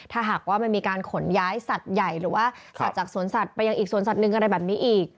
ถ้าหากว่ามันมีการขนย้ายสัตว์ใหญ่หรือว่าสัตว์จากสวนสัตว์ไปยังอีกสวนสัตว์อะไรแบบนี้อีก